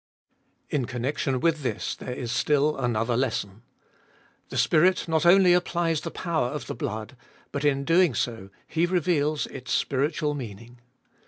In connection with this there is still another lesson. The Spirit not only applies the power of the blood, but in doing so He reveals its spiritual meaning.